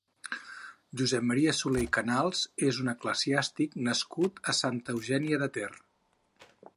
Josep Maria Soler i Canals és un eclesiàstic nascut a Santa Eugènia de Ter.